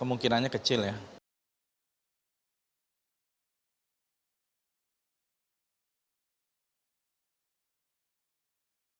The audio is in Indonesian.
kemungkinannya kecil ya